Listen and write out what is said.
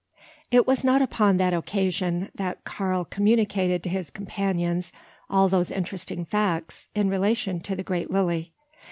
It was not upon that occasion that Karl communicated to his companions all these interesting facts in relation to the great lily.